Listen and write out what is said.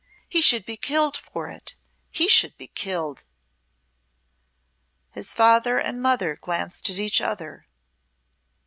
He should be killed for it he should be killed." His father and mother glanced at each other.